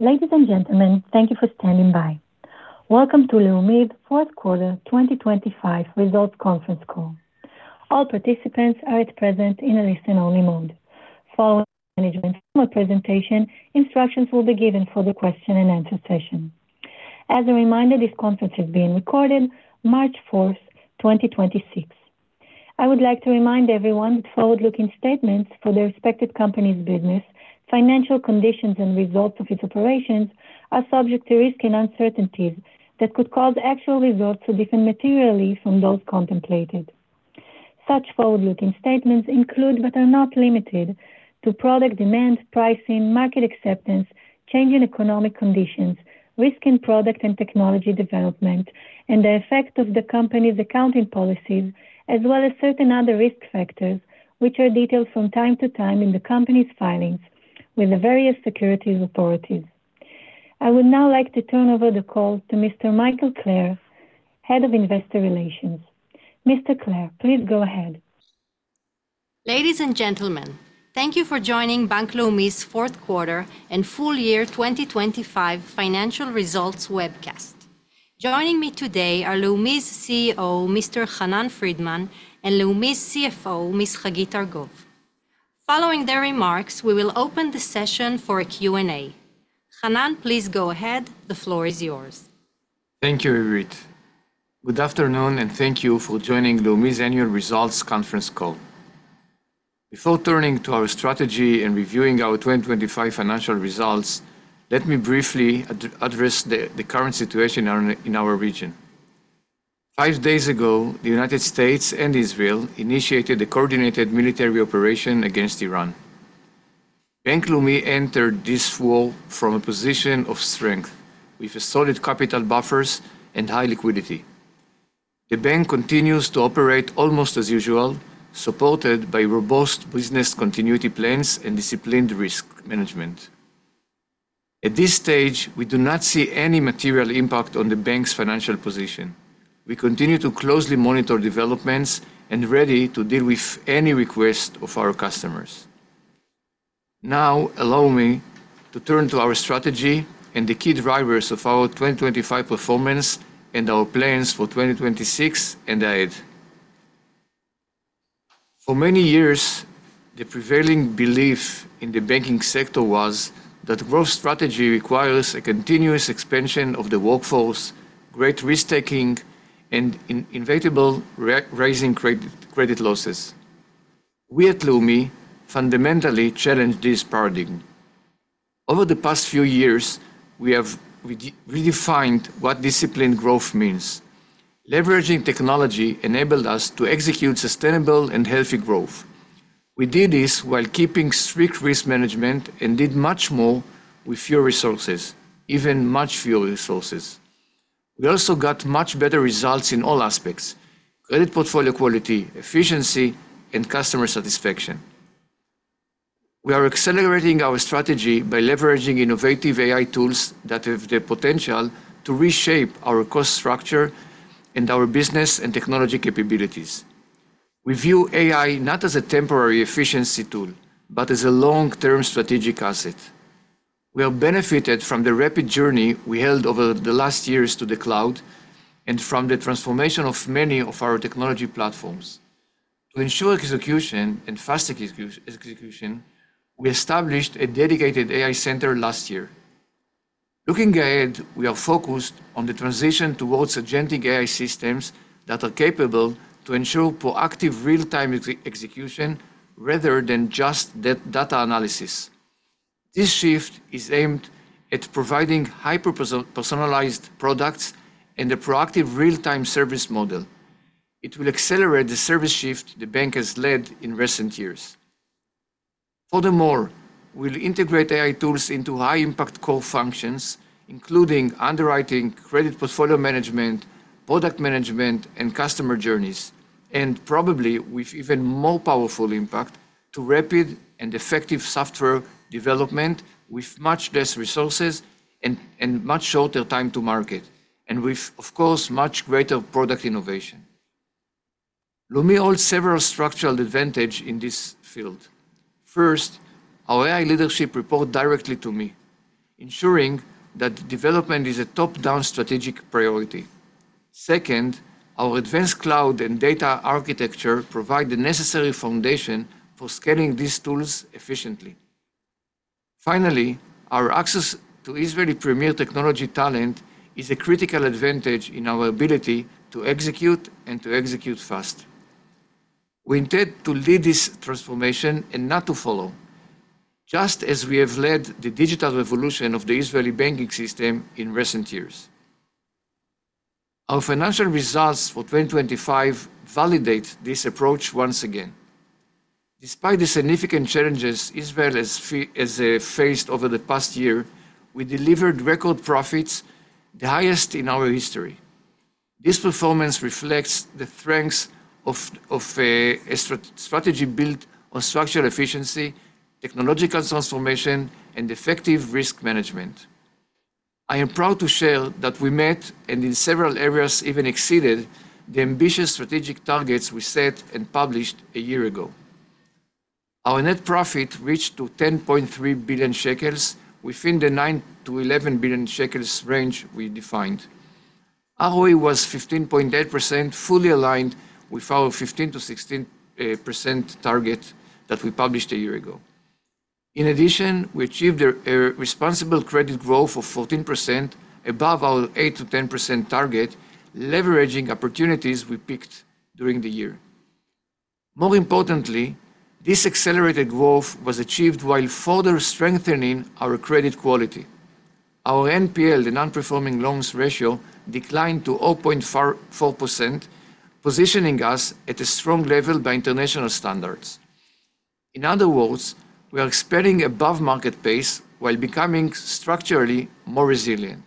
Ladies and gentlemen, thank you for standing by. Welcome to Leumi's fourth quarter 2025 results conference call. All participants are at present in a listen-only mode. Following management's presentation, instructions will be given for the question and answer session. As a reminder, this conference is being recorded March fourth, 2026. I would like to remind everyone that forward-looking statements for the respective company's business, financial conditions and results of its operations are subject to risks and uncertainties that could cause actual results to differ materially from those contemplated. Such forward-looking statements include, but are not limited to product demand, pricing, market acceptance, changing economic conditions, risk in product and technology development, and the effect of the company's accounting policies, as well as certain other risk factors which are detailed from time to time in the company's filings with the various securities authorities.I would now like to turn over the call to Mr. Michael Klahr, Head of Investor Relations. Mr. Klahr, please go ahead. Ladies and gentlemen, thank you for joining Bank Leumi's fourth quarter and full year 2025 financial results webcast. Joining me today are Leumi's CEO, Mr. Hanan Friedman, and Leumi's CFO, Miss Hagit Argov. Following their remarks, we will open the session for a Q&A. Hanan, please go ahead. The floor is yours. Thank you, Irit. Good afternoon, and thank you for joining Leumi's annual results conference call. Before turning to our strategy and reviewing our 2025 financial results, let me briefly address the current situation in our region. Five days ago, the United States and Israel initiated a coordinated military operation against Iran. Bank Leumi entered this war from a position of strength with a solid capital buffers and high liquidity. The bank continues to operate almost as usual, supported by robust business continuity plans and disciplined risk management. At this stage, we do not see any material impact on the bank's financial position. We continue to closely monitor developments and ready to deal with any request of our customers. Now allow me to turn to our strategy and the key drivers of our 2025 performance and our plans for 2026 and ahead. For many years, the prevailing belief in the banking sector was that growth strategy requires a continuous expansion of the workforce, great risk-taking, and inevitable credit losses. We at Leumi fundamentally challenge this paradigm. Over the past few years, we have redefined what disciplined growth means. Leveraging technology enabled us to execute sustainable and healthy growth. We did this while keeping strict risk management and did much more with even much fewer resources. We also got much better results in all aspects: credit portfolio quality, efficiency, and customer satisfaction. We are accelerating our strategy by leveraging innovative AI tools that have the potential to reshape our cost structure and our business and technology capabilities. We view AI not as a temporary efficiency tool, but as a long-term strategic asset. We have benefited from the rapid journey we held over the last years to the cloud and from the transformation of many of our technology platforms. To ensure execution and faster execution, we established a dedicated AI center last year. Looking ahead, we are focused on the transition towards Agentic AI systems that are capable to ensure proactive real-time execution rather than just data analysis. This shift is aimed at providing hyper-personalized products and a proactive real-time service model. It will accelerate the service shift the bank has led in recent years. Furthermore, we'll integrate AI tools into high-impact core functions, including underwriting, credit portfolio management, product management, and customer journeys, and probably with even more powerful impact to rapid and effective software development with much less resources and much shorter time to market and with, of course, much greater product innovation. Leumi holds several structural advantage in this field. First, our AI leadership report directly to me, ensuring that development is a top-down strategic priority. Second, our advanced cloud and data architecture provide the necessary foundation for scaling these tools efficiently. Finally, our access to Israeli premier technology talent is a critical advantage in our ability to execute and to execute fast. We intend to lead this transformation and not to follow, just as we have led the digital revolution of the Israeli banking system in recent years. Our financial results for 2025 validate this approach once again. Despite the significant challenges Israel has faced over the past year, we delivered record profits, the highest in our history. This performance reflects the strengths of a strategy built on structural efficiency, technological transformation, and effective risk management. I am proud to share that we met, and in several areas even exceeded, the ambitious strategic targets we set and published a year ago. Our net profit reached to 10.3 billion shekels within the 9 billion-11 billion shekels range we defined. ROE was 15.8%, fully aligned with our 15%-16% target that we published a year ago. In addition, we achieved a responsible credit growth of 14% above our 8%-10% target, leveraging opportunities we picked during the year. More importantly, this accelerated growth was achieved while further strengthening our credit quality. Our NPL, the Non-Performing Loans ratio, declined to 0.44%, positioning us at a strong level by international standards. In other words, we are expanding above market pace while becoming structurally more resilient.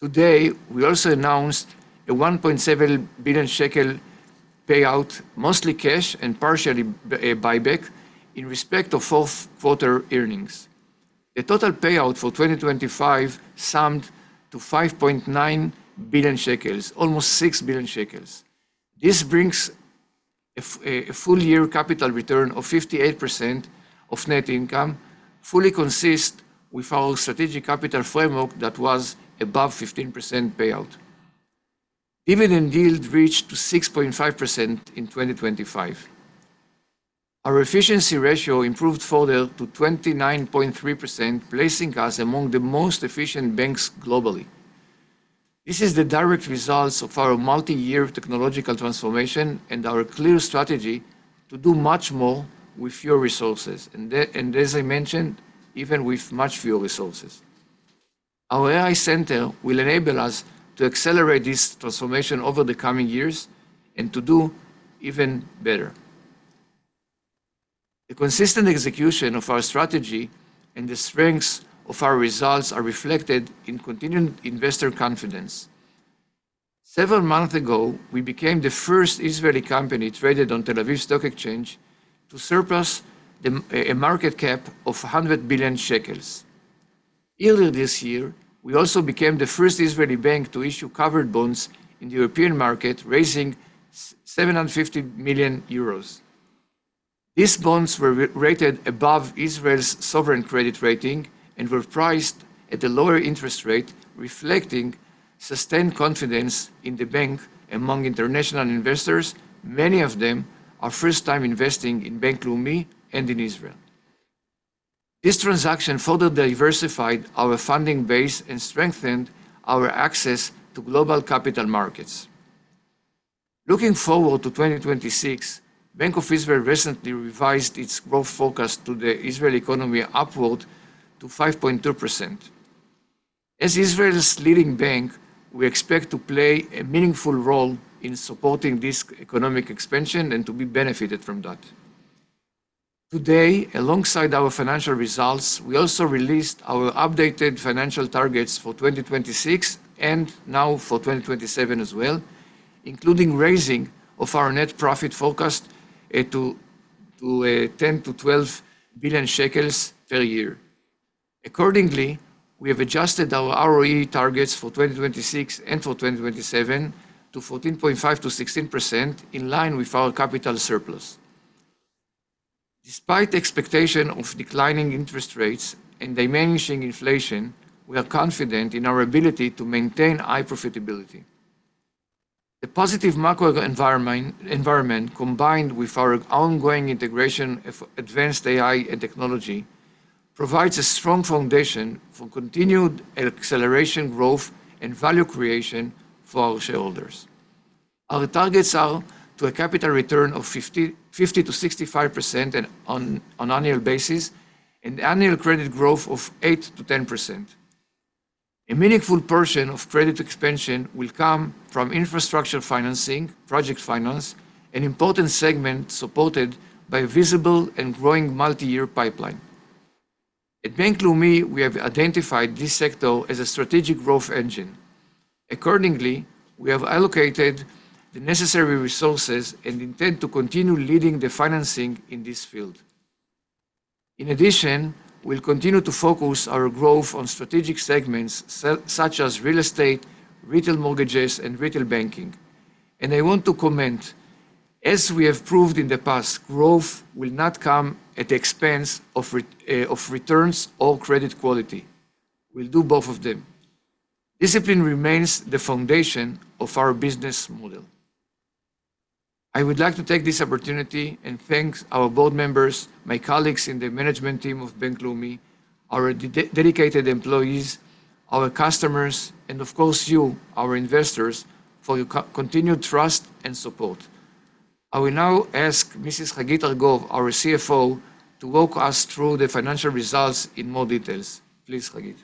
Today, we also announced a 1.7 billion shekel payout, mostly cash and partially buyback in respect of fourth quarter earnings. The total payout for 2025 summed to 5.9 billion shekels, almost 6 billion shekels. This brings a full-year capital return of 58% of net income, fully consist with our strategic capital framework that was above 15% payout. Dividend yield reached to 6.5% in 2025. Our efficiency ratio improved further to 29.3%, placing us among the most efficient banks globally. This is the direct results of our multi-year technological transformation and our clear strategy to do much more with fewer resources. As I mentioned, even with much fewer resources. Our AI center will enable us to accelerate this transformation over the coming years and to do even better. The consistent execution of our strategy and the strengths of our results are reflected in continued investor confidence. Several months ago, we became the first Israeli company traded on Tel Aviv Stock Exchange to surpass a market cap of 100 billion shekels. Earlier this year, we also became the first Israeli bank to issue covered bonds in the European market, raising 750 million euros. These bonds were rated above Israel's sovereign credit rating and were priced at a lower interest rate, reflecting sustained confidence in the bank among international investors, many of them are first time investing in Bank Leumi and in Israel. This transaction further diversified our funding base and strengthened our access to global capital markets. Looking forward to 2026, Bank of Israel recently revised its growth forecast to the Israeli economy upward to 5.2%. As Israel's leading bank, we expect to play a meaningful role in supporting this economic expansion and to be benefited from that. Today, alongside our financial results, we also released our updated financial targets for 2026 and now for 2027 as well, including raising of our net profit forecast to 10 billion-12 billion shekels per year. Accordingly, we have adjusted our ROE targets for 2026 and for 2027 to 14.5%-16% in line with our capital surplus. Despite the expectation of declining interest rates and diminishing inflation, we are confident in our ability to maintain high profitability. The positive macro environment combined with our ongoing integration of advanced AI and technology provides a strong foundation for continued acceleration growth and value creation for our shareholders. Our targets are to a capital return of 50%-65% on an annual basis and annual credit growth of 8%-10%. A meaningful portion of credit expansion will come from infrastructure financing, project finance, an important segment supported by a visible and growing multi-year pipeline. At Bank Leumi, we have identified this sector as a strategic growth engine. Accordingly, we have allocated the necessary resources and intend to continue leading the financing in this field. In addition, we'll continue to focus our growth on strategic segments such as real estate, retail mortgages, and retail banking. I want to comment, as we have proved in the past, growth will not come at the expense of returns or credit quality. We'll do both of them. Discipline remains the foundation of our business model. I would like to take this opportunity and thank our board members, my colleagues in the management team of Bank Leumi, our dedicated employees, our customers, and of course you, our investors, for your continued trust and support. I will now ask Mrs. Hagit Argov, our CFO, to walk us through the financial results in more details. Please, Hagit.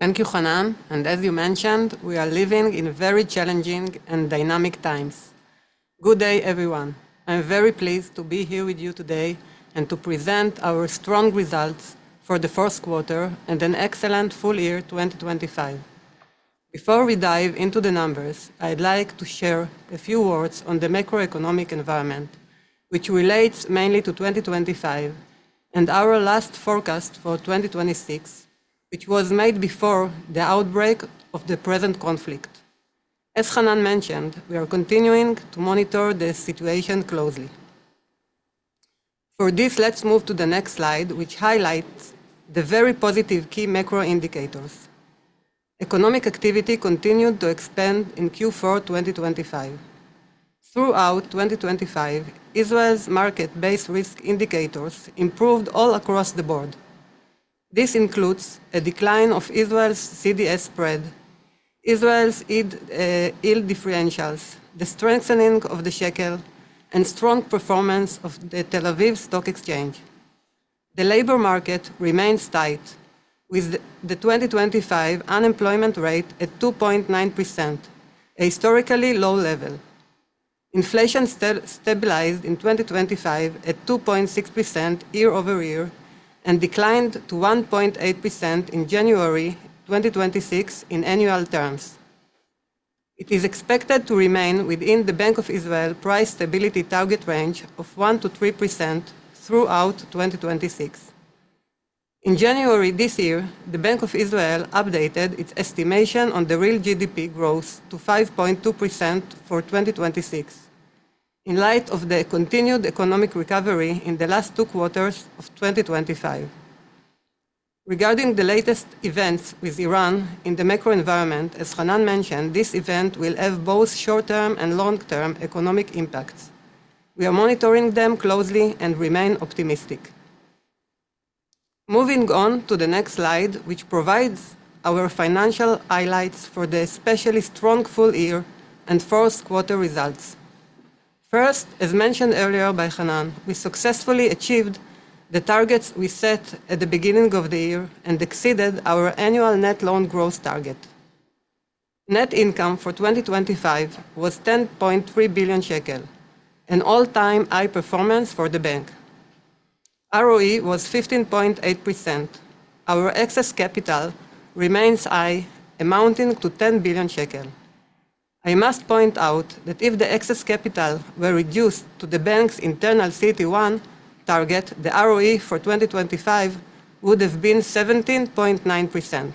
Thank you, Hanan. As you mentioned, we are living in very challenging and dynamic times. Good day, everyone. I'm very pleased to be here with you today and to present our strong results for the first quarter and an excellent full year, 2025. Before we dive into the numbers, I'd like to share a few words on the macroeconomic environment, which relates mainly to 2025 and our last forecast for 2026, which was made before the outbreak of the present conflict. As Hanan mentioned, we are continuing to monitor the situation closely. Let's move to the next slide, which highlights the very positive key macro indicators. Economic activity continued to expand in Q4 2025. Throughout 2025, Israel's market-based risk indicators improved all across the board. This includes a decline of Israel's CDS spread, Israel's id, yield differentials, the strengthening of the shekel, and strong performance of the Tel Aviv Stock Exchange. The labor market remains tight, with the 2025 unemployment rate at 2.9%, a historically low level. Inflation stabilized in 2025 at 2.6% year-over-year and declined to 1.8% in January 2026 in annual terms. It is expected to remain within the Bank of Israel price stability target range of 1%-3% throughout 2026. In January this year, the Bank of Israel updated its estimation on the real GDP growth to 5.2% for 2026 in light of the continued economic recovery in the last 2 quarters of 2025. Regarding the latest events with Iran in the macro environment, as Hanan mentioned, this event will have both short-term and long-term economic impacts. We are monitoring them closely and remain optimistic. Moving on to the next slide, which provides our financial highlights for the especially strong full year and first quarter results. First, as mentioned earlier by Hanan, we successfully achieved the targets we set at the beginning of the year and exceeded our annual net loan growth target. Net income for 2025 was 10.3 billion shekel, an all-time high performance for the bank. ROE was 15.8%. Our excess capital remains high, amounting to 10 billion shekel. I must point out that if the excess capital were reduced to the bank's internal CET1 target, the ROE for 2025 would have been 17.9%.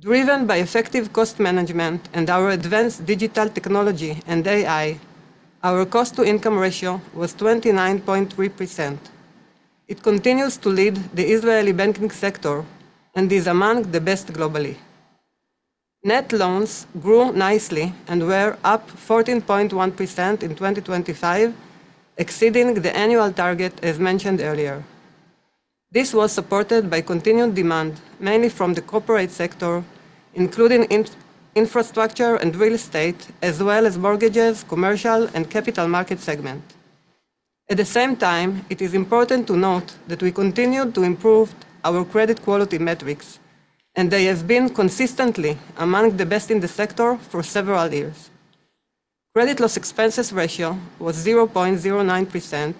Driven by effective cost management and our advanced digital technology and AI, our cost-to-income ratio was 29.3%. It continues to lead the Israeli banking sector and is among the best globally. Net loans grew nicely and were up 14.1% in 2025, exceeding the annual target as mentioned earlier. This was supported by continued demand, mainly from the corporate sector, including infrastructure and real estate, as well as mortgages, commercial, and capital market segment. At the same time, it is important to note that we continued to improve our credit quality metrics, and they have been consistently among the best in the sector for several years. Credit loss expenses ratio was 0.09%,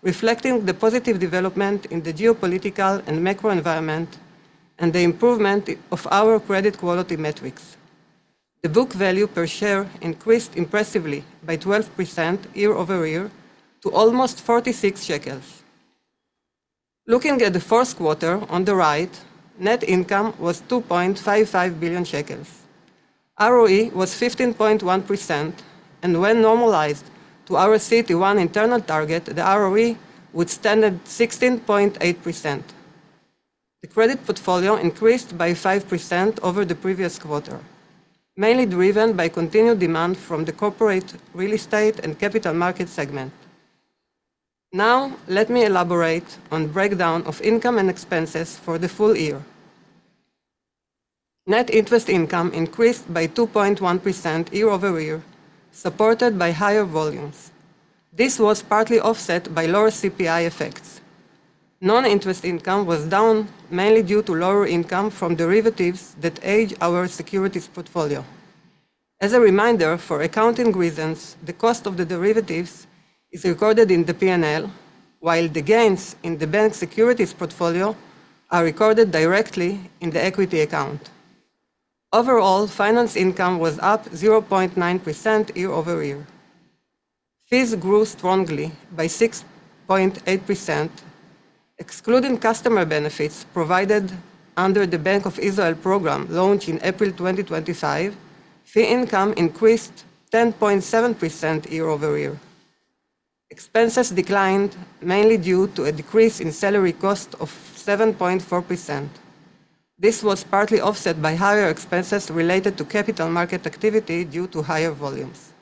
reflecting the positive development in the geopolitical and macro environment and the improvement of our credit quality metrics. The book value per share increased impressively by 12% year-over-year to almost 46 shekels. Looking at the first quarter on the right, net income was 2.55 billion shekels. ROE was 15.1%, and when normalized to our CET1 internal target, the ROE would stand at 16.8%. The credit portfolio increased by 5% over the previous quarter, mainly driven by continued demand from the corporate real estate and capital market segment. Let me elaborate on breakdown of income and expenses for the full year. Net interest income increased by 2.1% year-over-year, supported by higher volumes. This was partly offset by lower CPI effects. Non-interest income was down mainly due to lower income from derivatives that hedge our securities portfolio. As a reminder, for accounting reasons, the cost of the derivatives is recorded in the P&L while the gains in the bank securities portfolio are recorded directly in the equity account. Overall, finance income was up 0.9% year-over-year. Fees grew strongly by 6.8%. Excluding customer benefits provided under the Bank of Israel program launched in April 2025, fee income increased 10.7% year-over-year. Expenses declined mainly due to a decrease in salary cost of 7.4%. This was partly offset by higher expenses related to capital market activity due to higher volumes.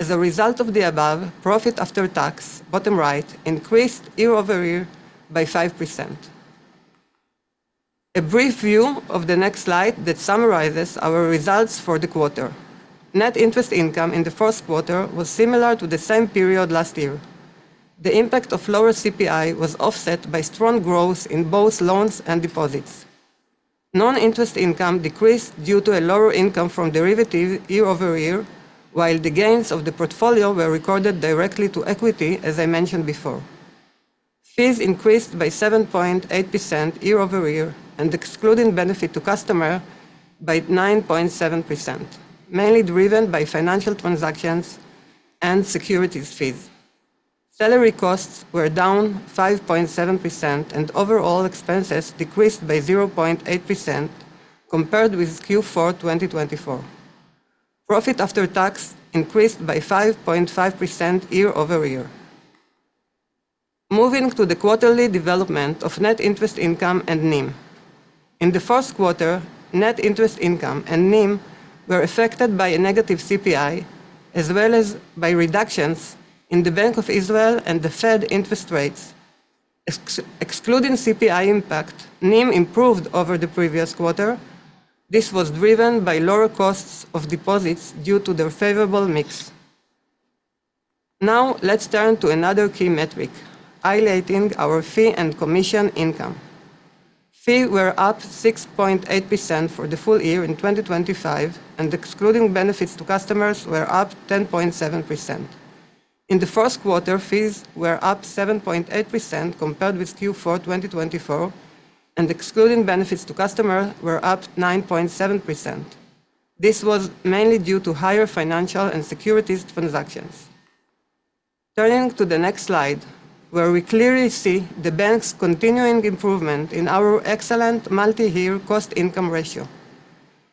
As a result of the above, profit after tax, bottom right, increased year-over-year by 5%. A brief view of the next slide that summarizes our results for the quarter. Net interest income in the first quarter was similar to the same period last year. The impact of lower CPI was offset by strong growth in both loans and deposits. Non-interest income decreased due to a lower income from derivative year-over-year, while the gains of the portfolio were recorded directly to equity, as I mentioned before. Fees increased by 7.8% year-over-year and excluding benefit to customer by 9.7%, mainly driven by financial transactions and securities fees. Salary costs were down 5.7% and overall expenses decreased by 0.8% compared with Q4, 2024. Profit after tax increased by 5.5% year-over-year. Moving to the quarterly development of net interest income and NIM. In the first quarter, net interest income and NIM were affected by a negative CPI, as well as by reductions in the Bank of Israel and the Fed interest rates. Excluding CPI impact, NIM improved over the previous quarter. This was driven by lower costs of deposits due to their favorable mix. Let's turn to another key metric, highlighting our fee and commission income. Fee were up 6.8% for the full year in 2025, excluding benefits to customers were up 10.7%. In the first quarter, fees were up 7.8% compared with Q4 2024, excluding benefits to customers were up 9.7%. This was mainly due to higher financial and securities transactions. Turning to the next slide, where we clearly see the bank's continuing improvement in our excellent multi-year cost-to-income ratio.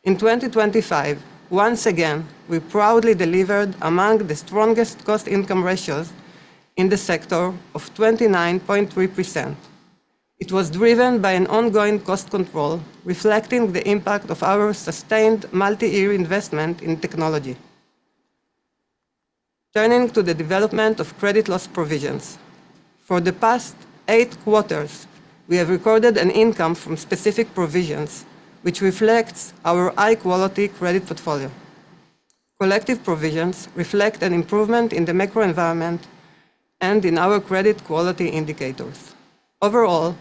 In 2025, once again, we proudly delivered among the strongest cost-to-income ratios in the sector of 29.3%. It was driven by an ongoing cost control, reflecting the impact of our sustained multi-year investment in technology. Turning to the development of credit loss provisions. For the past eight quarters, we have recorded an income from specific provisions, which reflects our high-quality credit portfolio. Collective provisions reflect an improvement in the macro environment and in our credit quality indicators. Overall,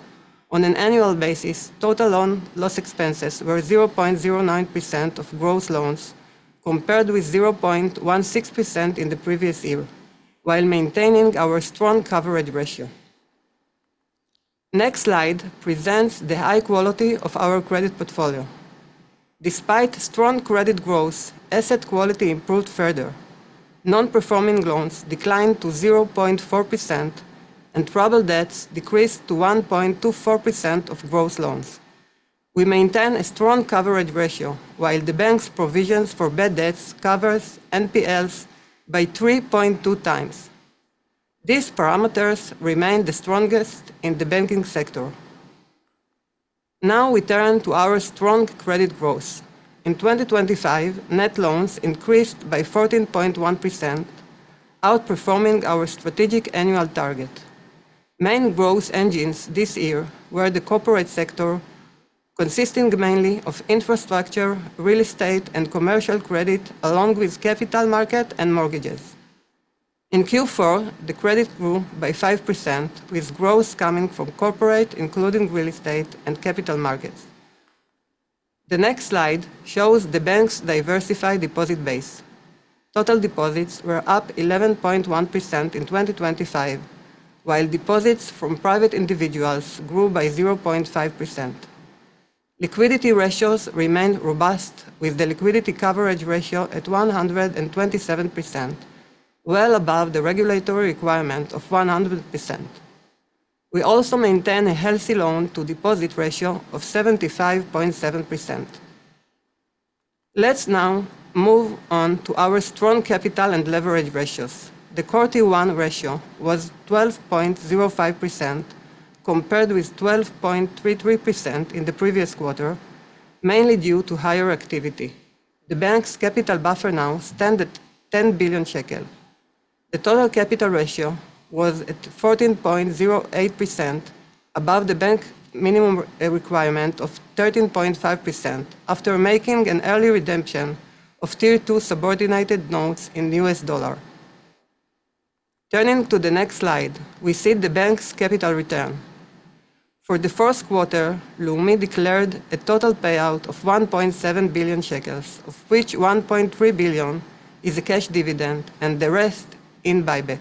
on an annual basis, total loan loss expenses were 0.09% of gross loans compared with 0.16% in the previous year, while maintaining our strong coverage ratio. The slide presents the high quality of our credit portfolio. Despite strong credit growth, asset quality improved further. Non-Performing Loans declined to 0.4%, and troubled debts decreased to 1.24% of gross loans. We maintain a strong coverage ratio while the bank's provisions for bad debts covers NPLs by 3.2x. These parameters remain the strongest in the banking sector. Now we turn to our strong credit growth. In 2025, net loans increased by 14.1%, outperforming our strategic annual target. Main growth engines this year were the corporate sector, consisting mainly of infrastructure, real estate, and commercial credit, along with capital market and mortgages. In Q4, the credit grew by 5%, with growth coming from corporate, including real estate and capital markets. The next slide shows the bank's diversified deposit base. Total deposits were up 11.1% in 2025, while deposits from private individuals grew by 0.5%. Liquidity ratios remained robust, with the Liquidity Coverage Ratio at 127%, well above the regulatory requirement of 100%. We also maintain a healthy loan-to-deposit ratio of 75.7%. Let's now move on to our strong capital and leverage ratios. The Core Tier 1 ratio was 12.05% compared with 12.33% in the previous quarter, mainly due to higher activity. The bank's capital buffer now stand at 10 billion shekels. The total capital ratio was at 14.08% above the bank minimum requirement of 13.5% after making an early redemption of Tier two subordinated notes in the US dollar. Turning to the next slide, we see the bank's capital return. For the first quarter, Leumi declared a total payout of 1.7 billion shekels, of which 1.3 billion is a cash dividend and the rest in buyback.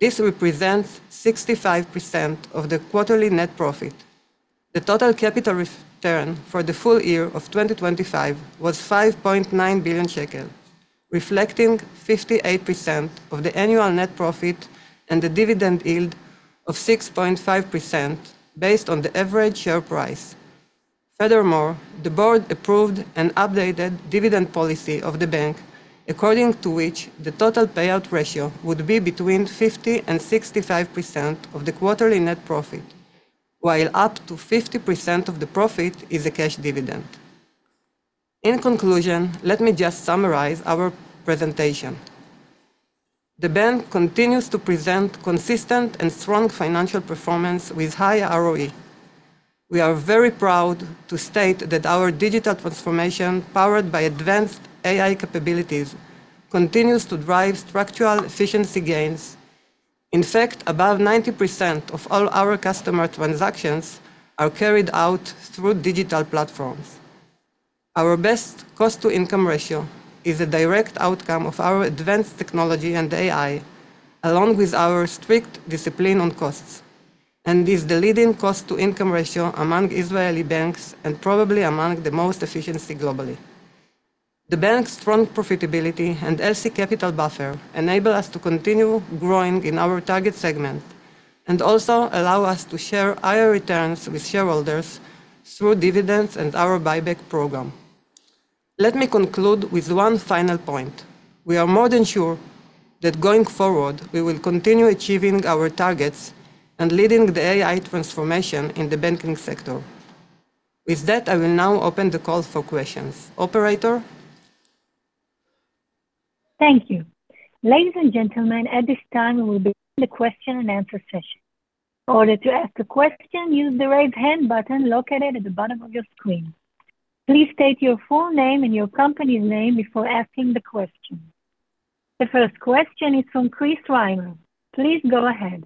This represents 65% of the quarterly net profit. The total capital return for the full year of 2025 was 5.9 billion shekels, reflecting 58% of the annual net profit and the dividend yield of 6.5% based on the average share price. The board approved an updated dividend policy of the bank, according to which the total payout ratio would be between 50%-65% of the quarterly net profit. Up to 50% of the profit is a cash dividend. Let me just summarize our presentation. The bank continues to present consistent and strong financial performance with high ROE. We are very proud to state that our digital transformation, powered by advanced AI capabilities, continues to drive structural efficiency gains. Above 90% of all our customer transactions are carried out through digital platforms. Our best cost-to-income ratio is a direct outcome of our advanced technology and AI, along with our strict discipline on costs, and is the leading cost-to-income ratio among Israeli banks and probably among the most efficiency globally. The bank's strong profitability and LC capital buffer enable us to continue growing in our target segment and also allow us to share higher returns with shareholders through dividends and our buyback program. Let me conclude with one final point. We are more than sure that going forward, we will continue achieving our targets and leading the AI transformation in the banking sector. With that, I will now open the call for questions. Operator? Thank you. Ladies and gentlemen, at this time, we'll begin the question and answer session. In order to ask a question, use the Raise Hand button located at the bottom of your screen. Please state your full name and your company's name before asking the question. The first question is from Chris Riner. Please go ahead.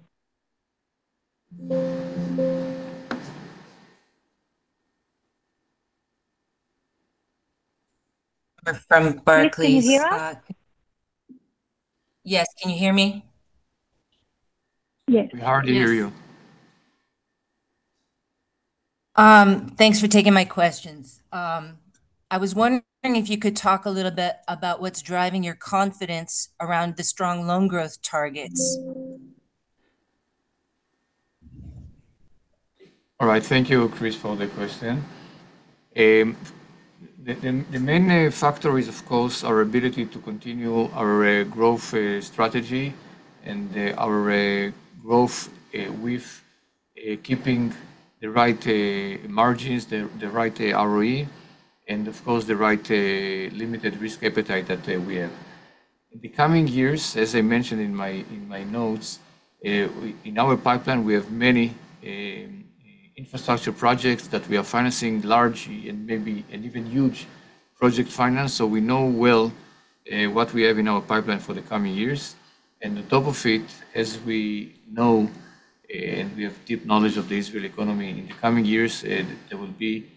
From Barclays. Chris, can you hear us? Yes. Can you hear me? Yes. Hard to hear you. Thanks for taking my questions. I was wondering if you could talk a little bit about what's driving your confidence around the strong loan growth targets? All right. Thank you, Chris, for the question. The main factor is, of course, our ability to continue our growth strategy and our growth with keeping the right margins, the right ROE, and of course, the right limited risk appetite that we have. In the coming years, as I mentioned in my notes, in our pipeline, we have many infrastructure projects that we are financing large and maybe an even huge project finance, so we know well what we have in our pipeline for the coming years. On top of it, as we know, and we have deep knowledge of the Israeli economy, in the coming years, there will be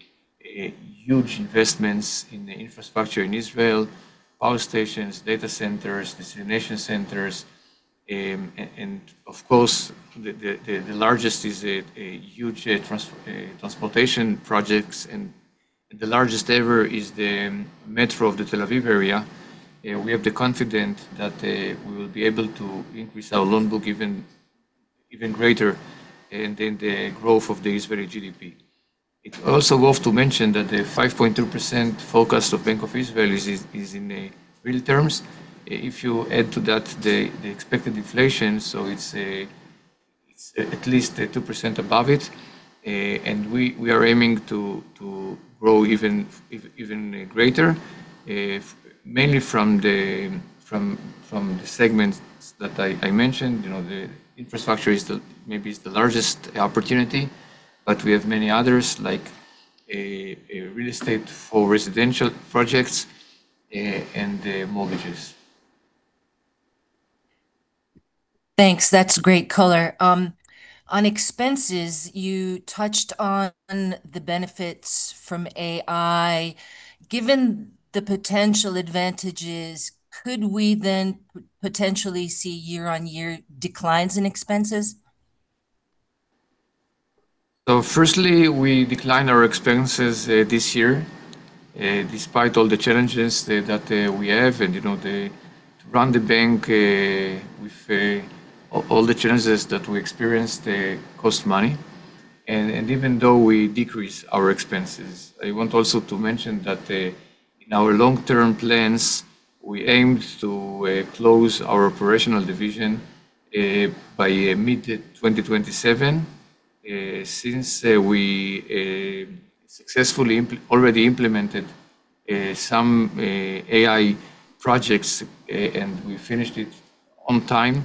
huge investments in the infrastructure in Israel, power stations, data centers, destination centers, and of course, the largest is a huge transportation projects and the largest ever is the metro of the Tel Aviv area. We have the confidence that we will be able to increase our loan book even greater and then the growth of the Israeli GDP. It's also worth to mention that the 5.2% focus of Bank of Israel is in real terms. If you add to that the expected inflation, it's at least 2% above it. We are aiming to grow even greater, mainly from the segments that I mentioned. You know, the infrastructure is maybe the largest opportunity, but we have many others like real estate for residential projects and the mortgages. Thanks. That's great color. On expenses, you touched on the benefits from AI. Given the potential advantages, could we then potentially see year-on-year declines in expenses? Firstly, we declined our expenses this year despite all the challenges that we have and, you know, to run the bank with all the challenges that we experienced cost money. Even though we decrease our expenses, I want also to mention that in our long-term plans, we aim to close our operational division by mid 2027. Since we already implemented some AI projects and we finished it on time,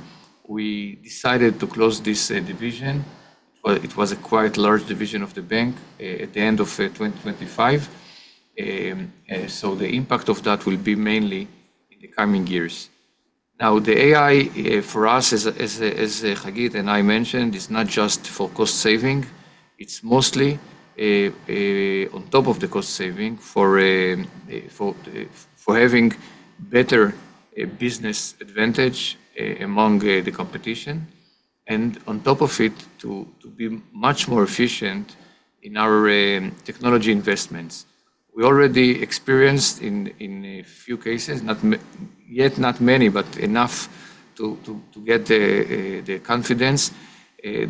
we decided to close this division. Well, it was a quite large division of the bank at the end of 2025. The impact of that will be mainly in the coming years. The AI for us, as Hagit and I mentioned, is not just for cost saving. It's mostly on top of the cost saving for having better business advantage among the competition, and on top of it, to be much more efficient in our technology investments. We already experienced in a few cases, not yet many, but enough to get the confidence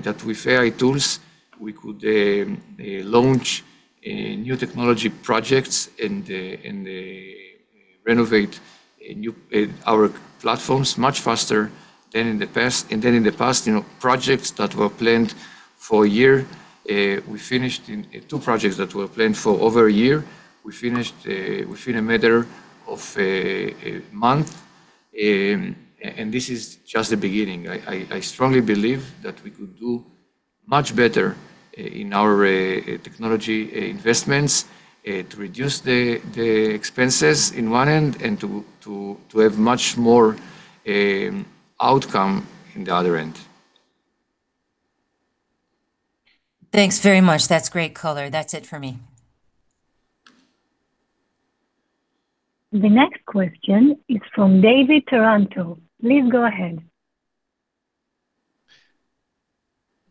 that with AI tools, we could launch new technology projects and renovate our platforms much faster than in the past. In the past, you know, two projects that were planned for over a year, we finished within a matter of a month. This is just the beginning. I strongly believe that we could do much better in our technology investments, to reduce the expenses in one end and to have much more outcome in the other end. Thanks very much. That's great color. That's it for me. The next question is from David Taranto. Please go ahead.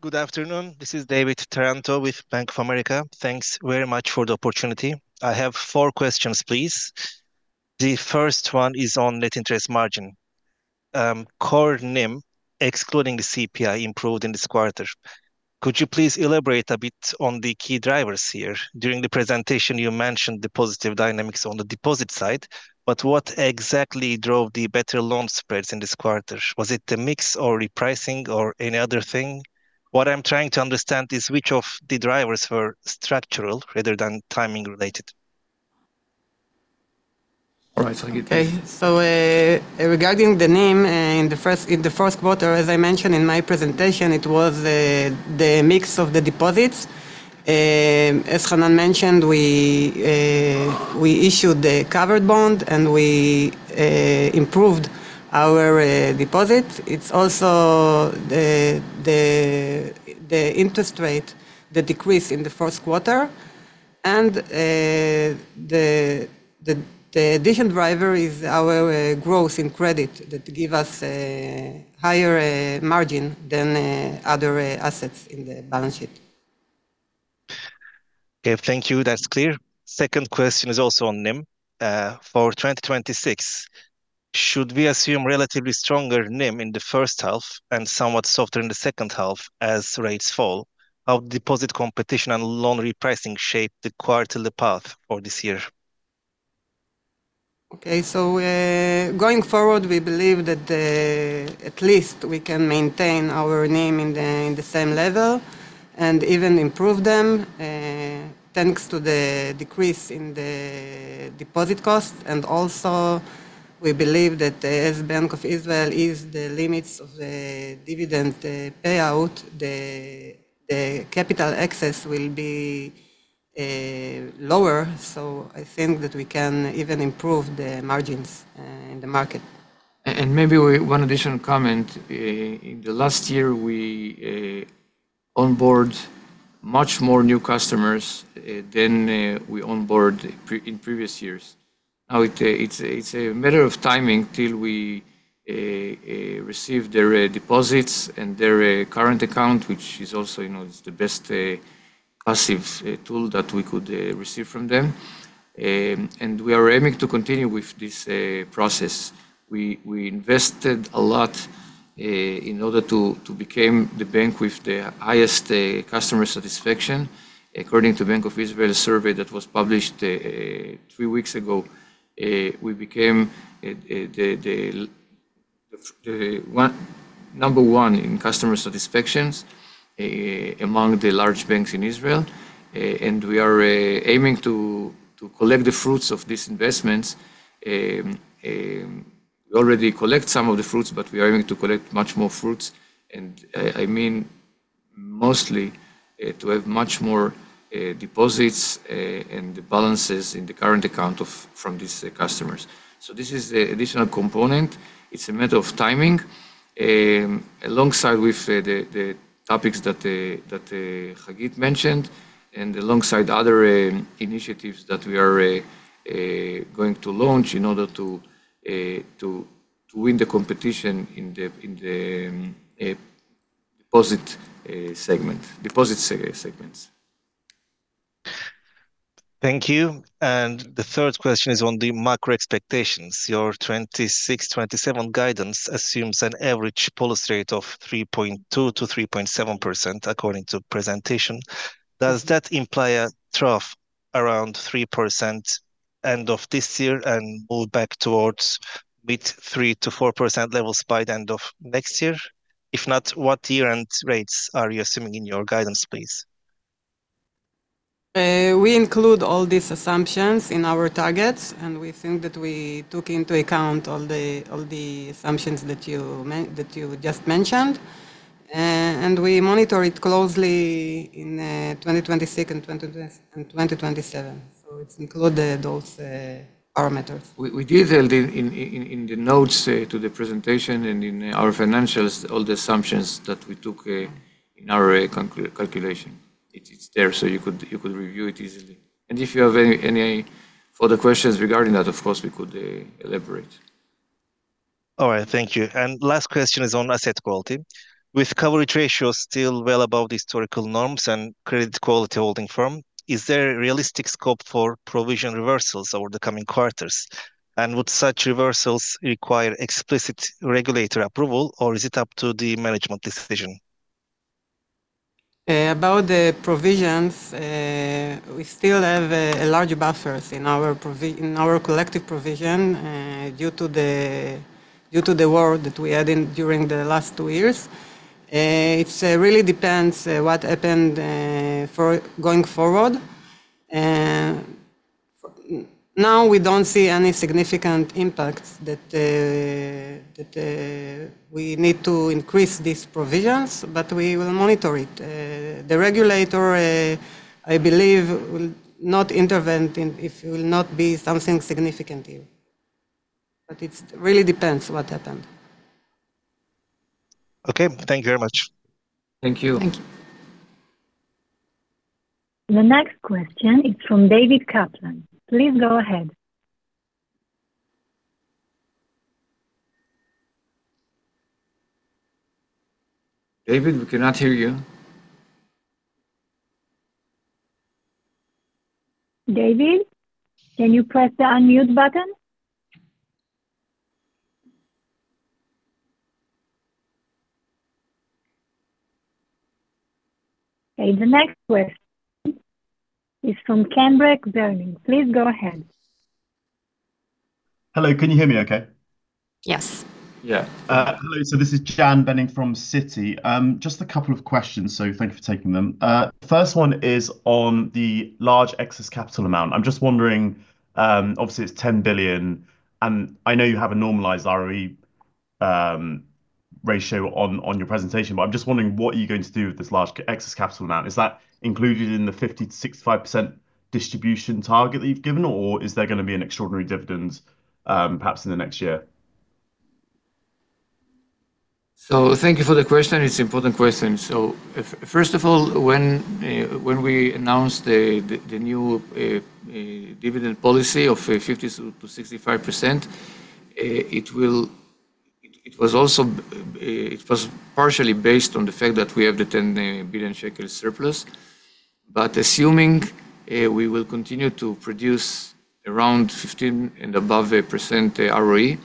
Good afternoon. This is David Taranto with Bank of America. Thanks very much for the opportunity. I have four questions, please. The first one is on net interest margin. Core NIM, excluding the CPI, improved in this quarter. Could you please elaborate a bit on the key drivers here? During the presentation, you mentioned the positive dynamics on the deposit side, but what exactly drove the better loan spreads in this quarter? Was it the mix or repricing or any other thing? What I'm trying to understand is which of the drivers were structural rather than timing related. All right, Hagit. Regarding the NIM, in the first quarter, as I mentioned in my presentation, it was the mix of the deposits. As Hanan mentioned, we issued a covered bond, and we improved our deposits. It's also the interest rate that decreased in the first quarter and the additional driver is our growth in credit that give us a higher margin than other assets in the balance sheet. Okay. Thank you. That's clear. Second question is also on NIM. For 2026, should we assume relatively stronger NIM in the first half and somewhat softer in the second half as rates fall? How deposit competition and loan repricing shape the quarterly path for this year? Okay. Going forward, we believe that, at least we can maintain our NIM in the same level and even improve them, thanks to the decrease in the deposit cost. Also we believe that as Bank of Israel is the limits of the dividend, payout, the capital excess will be lower. I think that we can even improve the margins in the market. Maybe one additional comment. In the last year, we onboard much more new customers than we onboarded in previous years. Now, it's a matter of timing till we receive their deposits and their current account, which is also, you know, is the best passive tool that we could receive from them. We are aiming to continue with this process. We invested a lot in order to become the bank with the highest customer satisfaction. According to Bank of Israel survey that was published three weeks ago, we became the number one in customer satisfactions among the large banks in Israel. We are aiming to collect the fruits of these investments. We already collect some of the fruits, but we are aiming to collect much more fruits, and I mean mostly to have much more deposits and balances in the current account from these customers. This is an additional component. It's a matter of timing. Alongside with the topics that Hagit mentioned and alongside other initiatives that we are going to launch in order to win the competition in the deposit segments. Thank you. The third question is on the macro expectations. Your 2026-2027 guidance assumes an average policy rate of 3.2%-3.7% according to presentation. Does that imply a trough around 3% end of this year and move back towards mid-3%-4% levels by the end of next year? If not, what year-end rates are you assuming in your guidance, please? We include all these assumptions in our targets, and we think that we took into account all the, all the assumptions that you just mentioned. We monitor it closely in 2026 and 2027. It include those parameters. We detailed in the notes to the presentation and in our financials all the assumptions that we took in our calculation. It's there, so you could review it easily. If you have any further questions regarding that, of course, we could elaborate. All right. Thank you. Last question is on asset quality. With coverage ratios still well above historical norms and credit quality holding firm, is there a realistic scope for provision reversals over the coming quarters? Would such reversals require explicit regulator approval, or is it up to the management decision? About the provisions, we still have large buffers in our collective provision due to the war that we had during the last two years. It really depends what happened going forward. Now we don't see any significant impacts that we need to increase these provisions, but we will monitor it. The regulator, I believe will not intervene if it will not be something significant. It really depends what happened. Okay. Thank you very much. Thank you. Thank you. The next question is from David Kaplan. Please go ahead. David, we cannot hear you. David, can you press the unmute button? The next question is from Canberk Bening. Please go ahead. Hello. Can you hear me okay? Yes. Yeah. Hello. This is Canberk Bening from Citi. Just a couple of questions, so thank you for taking them. First one is on the large excess capital amount. I'm just wondering. Obviously it's 10 billion, and I know you have a normalized ROE ratio on your presentation, but I'm just wondering what are you going to do with this large excess capital amount? Is that included in the 50%-65% distribution target that you've given or is there gonna be an extraordinary dividend, perhaps in the next year? Thank you for the question. It's important question. First of all, when we announced the new dividend policy of 50%-65%, it was also partially based on the fact that we have the 10 billion shekel surplus. Assuming, we will continue to produce around 15 and above percentage ROE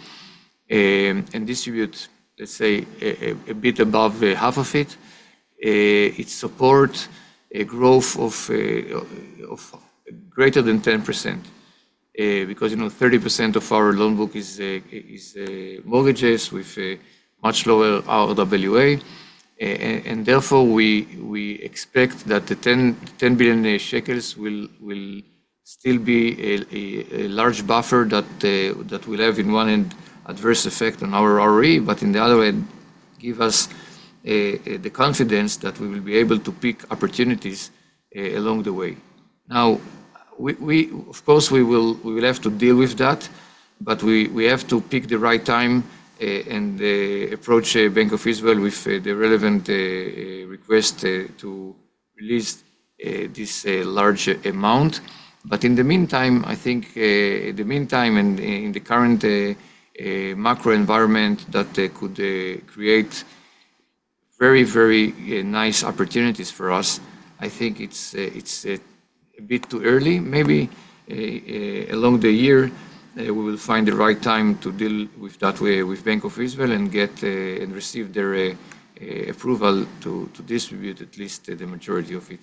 and distribute, let's say a bit above half of it support a growth of greater than 10%. Because, you know, 30% of our loan book is mortgages with a much lower RWA. Therefore, we expect that the 10 billion shekels will still be a large buffer that will have in one end adverse effect on our ROE, but in the other way give us the confidence that we will be able to pick opportunities along the way. Of course, we will have to deal with that, but we have to pick the right time and approach Bank of Israel with the relevant request to release this large amount. In the meantime, I think in the meantime and in the current macro environment that could create very nice opportunities for us, I think it's a bit too early. Maybe, along the year, we will find the right time to deal with that with Bank of Israel and get, and receive their, approval to distribute at least the majority of it.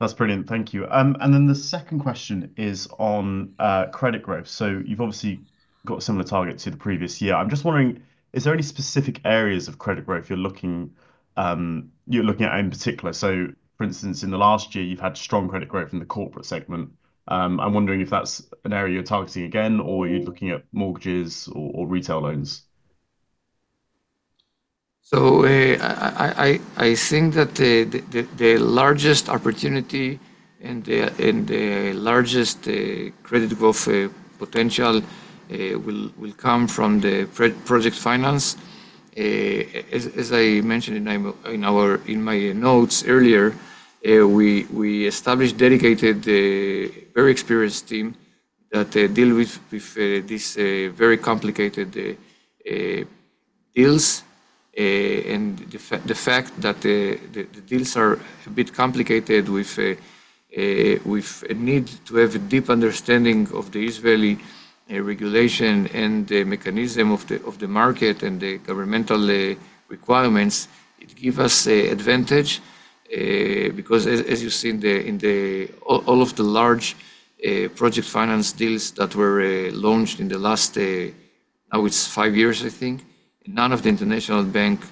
That's brilliant. Thank you. The second question is on credit growth. You've obviously got similar targets to the previous year. I'm just wondering, is there any specific areas of credit growth you're looking at in particular? For instance, in the last year, you've had strong credit growth in the corporate segment. I'm wondering if that's an area you're targeting again, or you're looking at mortgages or retail loans. I think that the largest opportunity and the largest credit growth potential will come from project finance. As I mentioned in my notes earlier, we established dedicated, very experienced team that deal with this very complicated, deals. The fact that the deals are a bit complicated with a need to have a deep understanding of the Israeli regulation and the mechanism of the market and the governmental requirements, it give us a advantage, because as you see in the... All of the large project finance deals that were launched in the last I would say five years, I think, none of the international banks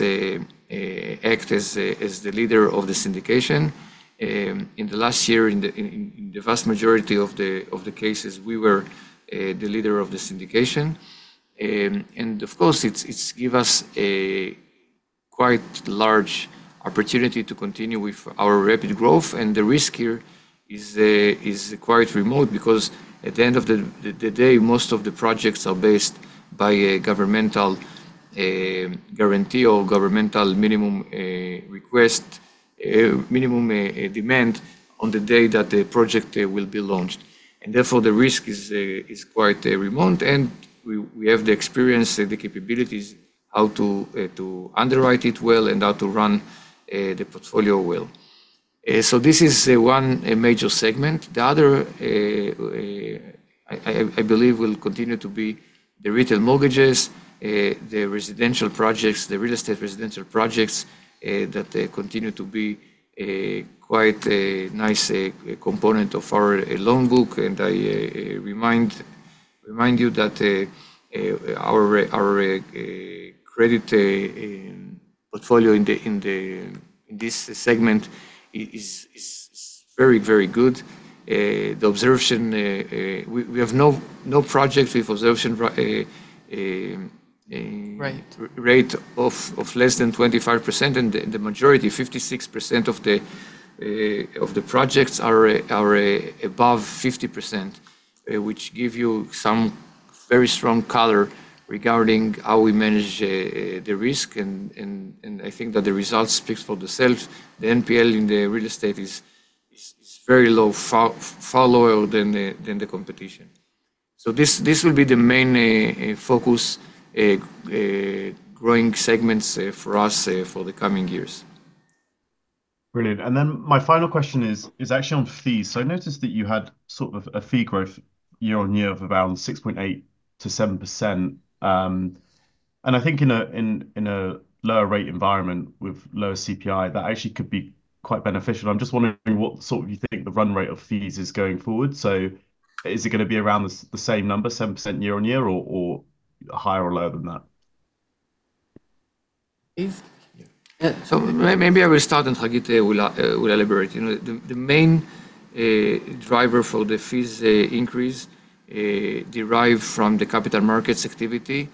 act as a, as the leader of the syndication. In the last year, in the vast majority of the cases, we were the leader of the syndication. Of course, it's give us a quite large opportunity to continue with our rapid growth. The risk here is quite remote because at the end of the day, most of the projects are based by a governmental guarantee or governmental minimum request, minimum demand on the day that the project will be launched. Therefore, the risk is quite remote. We have the experience and the capabilities how to underwrite it well and how to run the portfolio well. This is one major segment. The other, I believe will continue to be the retail mortgages, the residential projects, the real estate residential projects, that continue to be a quite a nice component of our loan book. I remind you that our credit portfolio in this segment is very, very good. The observation. We have no project with observation rate. Right. -rate of less than 25%, and the majority, 56% of the projects are above 50%, which give you some very strong color regarding how we manage the risk. I think that the results speaks for the self. The NPL in the real estate is very low. Far lower than the competition. This will be the main focus growing segments for us for the coming years. Brilliant. My final question is actually on fees. I noticed that you had sort of a fee growth year-on-year of around 6.8%-7%. I think in a, in a lower rate environment with lower CPI, that actually could be quite beneficial. I'm just wondering what sort of you think the run rate of fees is going forward. Is it gonna be around the same number, 7% year-on-year or higher or lower than that? Yeah. maybe I will start, and Hagit will elaborate. You know, the main driver for the fees increase derive from the capital markets activity,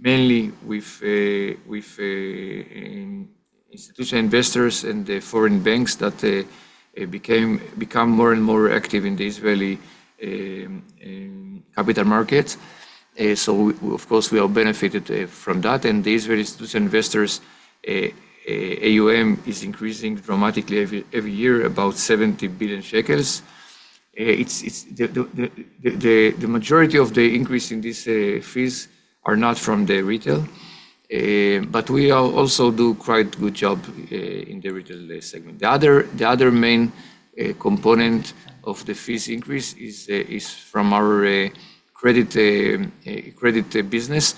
mainly with institutional investors and the foreign banks that become more and more active in the Israeli capital market. of course we all benefited from that. the Israeli institutional investors AUM is increasing dramatically every year, about 70 billion shekels. it's. the majority of the increase in these fees are not from the retail. but we also do quite good job in the retail segment. the other main component of the fees increase is from our credit business.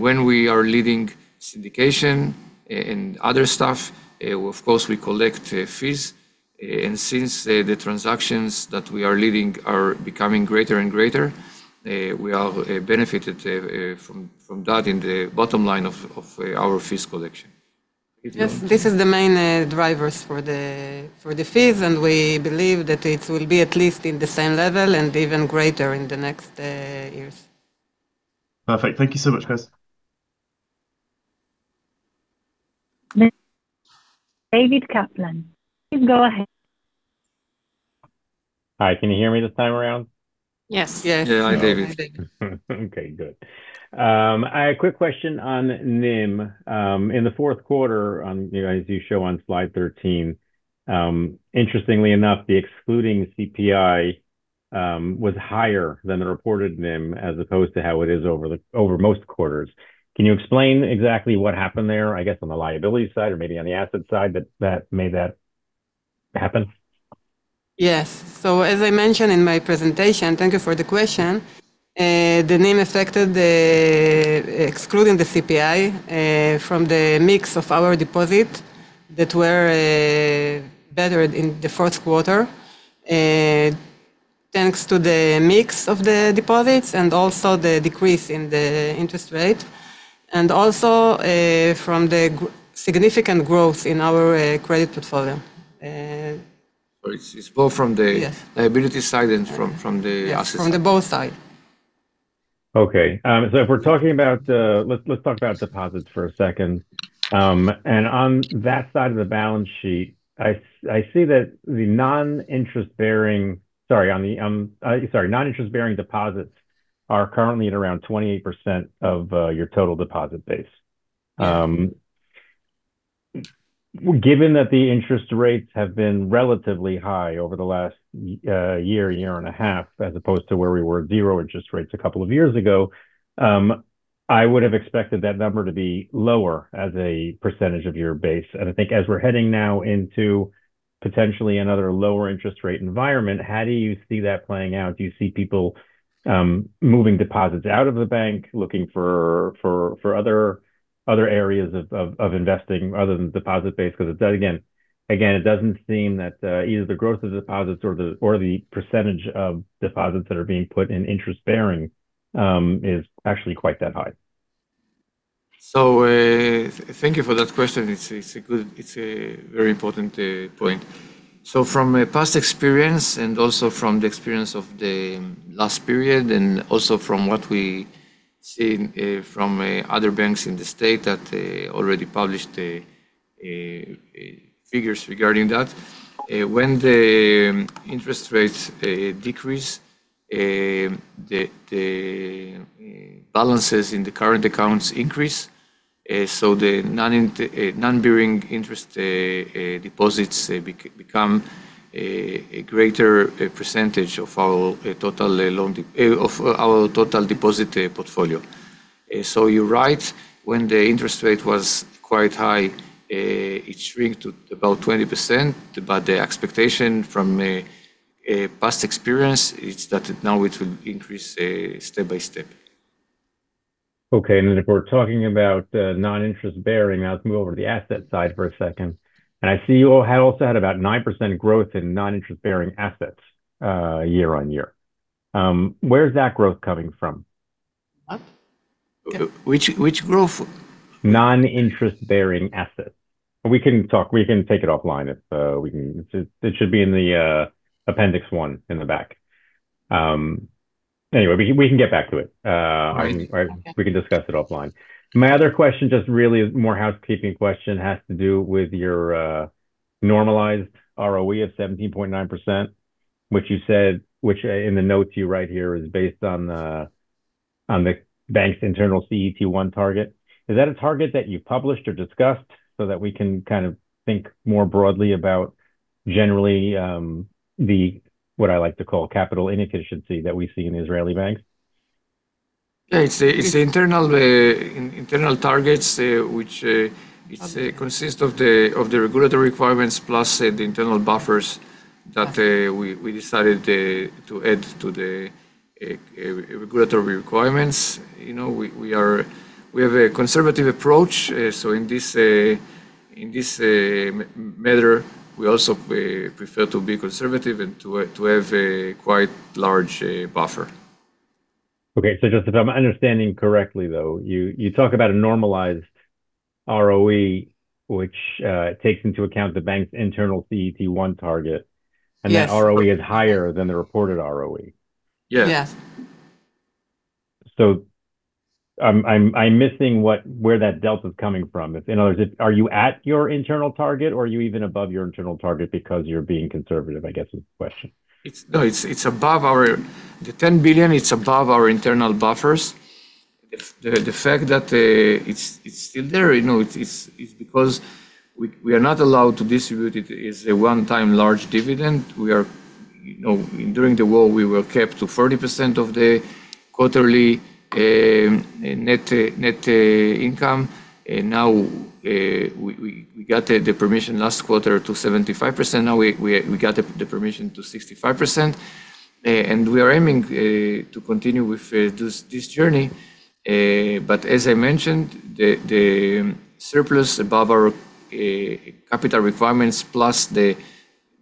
When we are leading syndication and other stuff, of course we collect fees. Since the transactions that we are leading are becoming greater and greater, we all benefited from that in the bottom line of our fees collection. Yes. This is the main drivers for the fees, and we believe that it will be at least in the same level and even greater in the next years. Perfect. Thank you so much, guys. Next, David Kaplan. Please go ahead. Hi. Can you hear me this time around? Yes. Yes. Yeah. Hi, David. Good. Quick question on NIM. In the fourth quarter, you know, as you show on slide 13, interestingly enough, the excluding CPI was higher than the reported NIM as opposed to how it is over most quarters. Can you explain exactly what happened there, I guess, on the liability side or maybe on the asset side that made that happen? Yes. As I mentioned in my presentation, thank you for the question, the NIM affected excluding the CPI from the mix of our deposit that were better in the fourth quarter, thanks to the mix of the deposits and also the decrease in the interest rate, and also from the significant growth in our credit portfolio. it's both. Yes liability side and from the asset side. Yes. From the both side. Okay. If we're talking about deposits for a second. On that side of the balance sheet, I see that the non-interest bearing deposits are currently at around 28% of your total deposit base. Given that the interest rates have been relatively high over the last year and a half, as opposed to where we were at zero interest rates a couple of years ago, I would have expected that number to be lower as a percentage of your base. I think as we're heading now into potentially another lower interest rate environment, how do you see that playing out? Do you see people moving deposits out of the bank, looking for other areas of investing other than deposit base? Because again, it doesn't seem that either the growth of deposits or the percentage of deposits that are being put in interest-bearing is actually quite that high. Thank you for that question. It's a good. It's a very important point. From past experience and also from the experience of the last period, and also from what we see from other banks in the state that already published figures regarding that, when the interest rates decrease, the balances in the current accounts increase. The non-bearing interest deposits become a greater percentage of our total deposit portfolio. You're right. When the interest rate was quite high, it shrank to about 20%. The expectation from a past experience is that now it will increase step by step. Okay. Then if we're talking about, non-interest bearing, let's move over to the asset side for a second. I see you all also had about 9% growth in non-interest bearing assets, year-on-year. Where's that growth coming from? What? Which growth? Non-interest bearing assets. We can talk. We can take it offline if. It should be in the appendix 1 in the back. Anyway, we can get back to it. Right. We can discuss it offline. My other question, just really more housekeeping question, has to do with your normalized ROE of 17.9%, which in the notes you write here is based on the bank's internal CET1 target, is that a target that you published or discussed so that we can kind of think more broadly about generally, what I like to call capital inefficiency that we see in Israeli banks? Yeah. It's internal targets which it's consist of the regulatory requirements plus, say, the internal buffers that we decided to add to the regulatory requirements. You know, we are we have a conservative approach. In this matter, we also prefer to be conservative and to have a quite large buffer. Okay. Just if I'm understanding correctly though, you talk about a normalized ROE which takes into account the bank's internal CET1 target. Yes. That ROE is higher than the reported ROE. Yes. Yes. I'm missing where that delta is coming from. In other words, are you at your internal target or are you even above your internal target because you're being conservative, I guess is the question? No, it's The 10 billion, it's above our internal buffers. The fact that it's still there, you know, it's because we are not allowed to distribute it as a one-time large dividend. We are, you know, during the war, we were capped to 40% of the quarterly net income. Now we got the permission last quarter to 75%. Now we got the permission to 65%. We are aiming to continue with this journey. As I mentioned, the surplus above our capital requirements plus the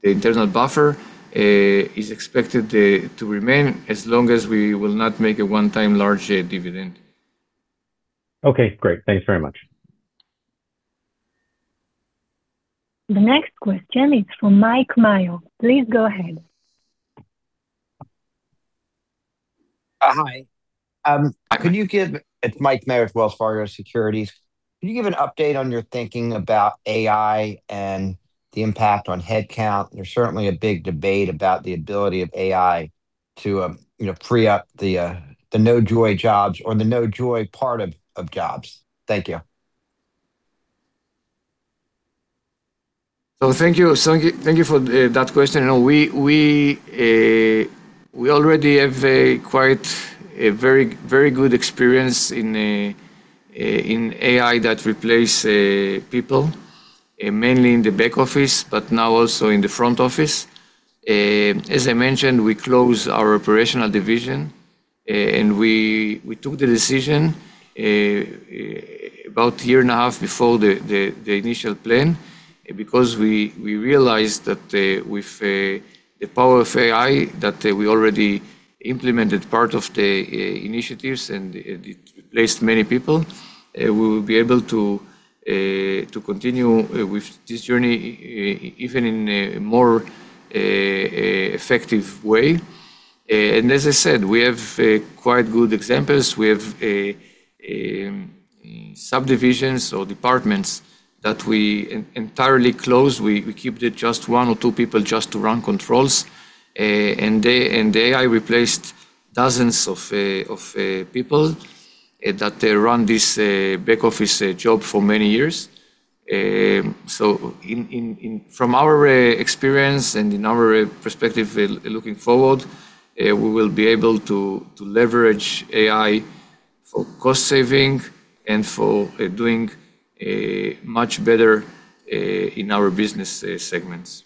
internal buffer is expected to remain as long as we will not make a one-time large dividend. Okay, great. Thanks very much. The next question is from Mike Mayo. Please go ahead. Hi. It's Mike Mayo with Wells Fargo Securities. Can you give an update on your thinking about AI and the impact on headcount? There's certainly a big debate about the ability of AI to, you know, free up the no-joy jobs or the no-joy part of jobs. Thank you. Thank you. Thank you, thank you for that question. You know, we already have a very, very good experience in AI that replace people mainly in the back office, but now also in the front office. As I mentioned, we closed our operational division. We took the decision about a year and a half before the initial plan because we realized that with the power of AI, that we already implemented part of the initiatives and it replaced many people. We will be able to continue with this journey even in a more effective way. As I said, we have quite good examples. We have subdivisions or departments that we entirely closed. We kept it just one or two people just to run controls. AI replaced dozens of people that run this back office job for many years. From our experience and in our perspective looking forward, we will be able to leverage AI for cost saving and for doing much better in our business segments.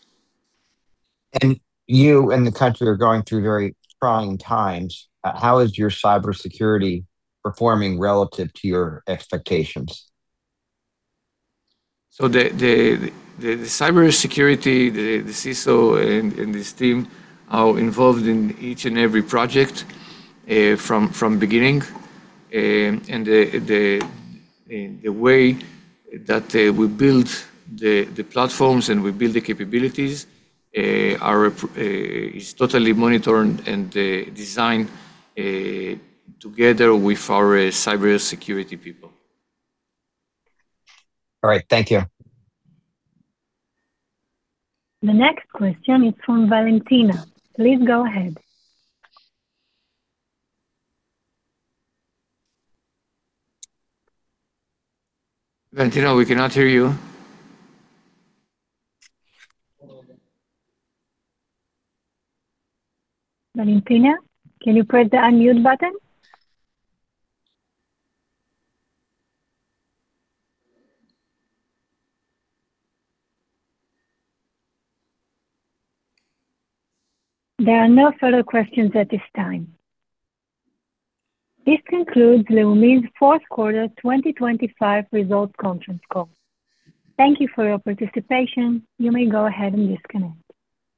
You and the country are going through very trying times. How is your cybersecurity performing relative to your expectations? The cybersecurity, the CISO and his team are involved in each and every project, from beginning. The way that we build the platforms and we build the capabilities is totally monitored and designed together with our cybersecurity people. All right. Thank you. The next question is from Valentina. Please go ahead. Valentina, we cannot hear you. Valentina, can you press the unmute button? There are no further questions at this time. This concludes Leumi's fourth quarter 2025 results conference call. Thank you for your participation. You may go ahead and disconnect.